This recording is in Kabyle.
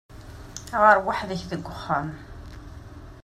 Ɣeṛ weḥd-k deg uxxam.